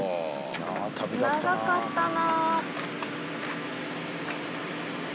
長かったな。